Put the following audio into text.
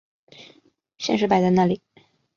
现实摆在哪里！